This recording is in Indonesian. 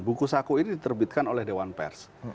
buku saku ini diterbitkan oleh dewan pers